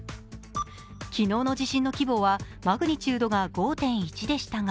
昨日の地震の規模はマグニチュードが５．１でしたが